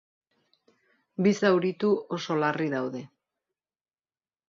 Bi zauritu oso larri daude.